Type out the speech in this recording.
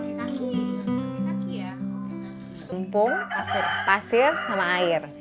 sumpung pasir sama air